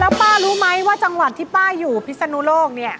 ป้ารู้ไหมว่าจังหวัดที่ป้าอยู่พิศนุโลกเนี่ย